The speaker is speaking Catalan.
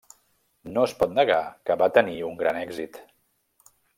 No es pot negar que va tenir un gran èxit.